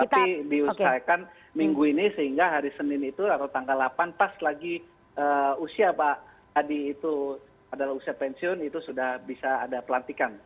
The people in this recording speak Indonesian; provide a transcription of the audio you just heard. tapi diusahakan minggu ini sehingga hari senin itu atau tanggal delapan pas lagi usia pak adi itu adalah usia pensiun itu sudah bisa ada pelantikan